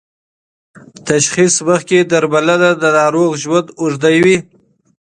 تشخیص مخکې درملنه د ناروغ ژوند اوږدوي.